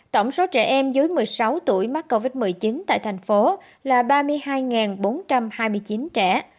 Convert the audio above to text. tổng số trẻ em dưới một mươi sáu tuổi mắc covid một mươi chín tại thành phố là ba mươi hai bốn trăm hai mươi chín trẻ